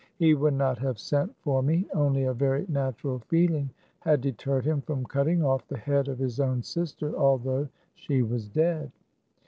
He would not have sent' for me, only a very natural feeling had deterred him from cutting off the head of his own sister, although she was dead.